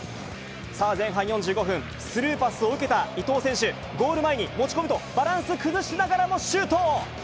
さあ、前半４５分、スルーパスを受けた伊東選手、ゴール前に持ち込むと、バランス崩しながらもシュート。